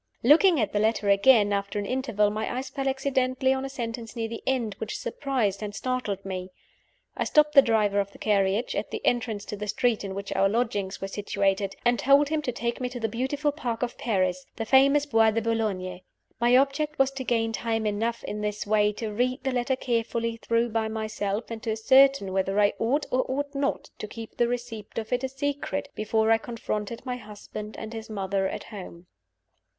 Looking at the letter again, after an interval, my eyes fell accidentally on a sentence near the end, which surprised and startled me. I stopped the driver of the carriage, at the entrance to the street in which our lodgings were situated, and told him to take me to the beautiful park of Paris the famous Bois de Boulogne. My object was to gain time enough, in this way, to read the letter carefully through by myself, and to ascertain whether I ought or ought not to keep the receipt of it a secret before I confronted my husband and his mother at home.